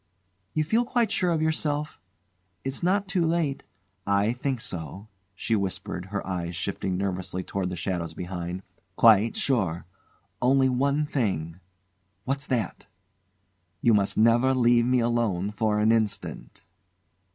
"You feel quite sure of yourself? It's not too late " "I think so," she whispered, her eyes shifting nervously toward the shadows behind. "Quite sure, only one thing " "What's that?" "You must never leave me alone for an instant."